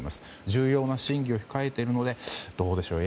重要な審議を控えているのでどうでしょう